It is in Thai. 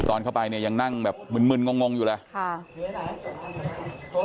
ตอนเข้าไปเนี่ยยังนั่งแบบมึนงงอยู่เลยค่ะ